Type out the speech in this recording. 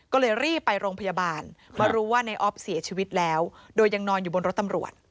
ก็เลยรีบไปโรงพยาบาลมารู้ว่าในออฟเสียชีวิตแล้วโดยยังนอนอยู่บนรถตำรวจ